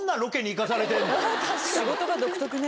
仕事が独特ね。